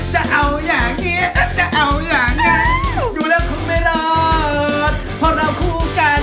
จะเอาอย่างนี้จะเอาอย่างนั้นดูแล้วคงไม่รอดเพราะเราคู่กัน